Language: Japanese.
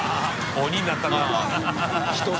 鬼になった